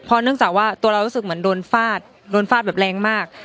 เนื่องจากว่าตัวเรารู้สึกเหมือนโดนฟาดโดนฟาดแบบแรงมาก